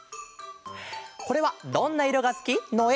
これは「どんな色がすき」のえ！